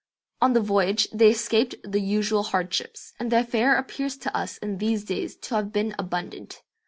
On the voyage they escaped the usual hardships, and their fare appears to us in these days to have been abundant.